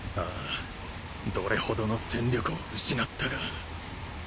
ああどれほどの戦力を失ったか。